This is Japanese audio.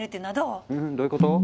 うんどういうこと？